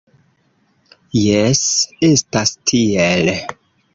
Jes, estas tiel.